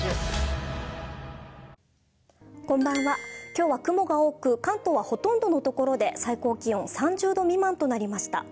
今日は雲が多く関東はほとんどのところで最高気温３０度未満となりました。